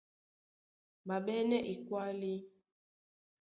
Ɓá ɓɛ́nɛ́ ekwálí,